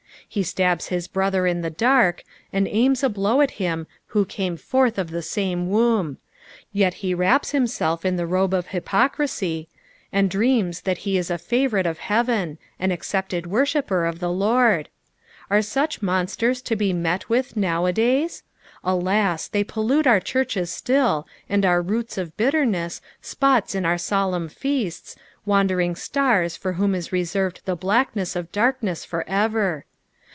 Be sUbs liis brother in the dark, and ajms a blow at him who came forth of the same womb ; yet he wraps bimaelf in the robe of hypocrisy, and dreams that he is a favourite of heaven, ui accepted worshipper of the liord. Are such monsters to be met with nowadays ? Alas ! tliey pollute our churches still, and are roots of bitteiness, spots in our solemn feasia, wandering stare for whom is reserved the btackness of darkness for ever.